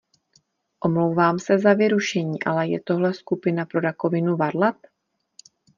Omlouvám se za vyrušení, ale je tohle skupina pro rakovinu varlat?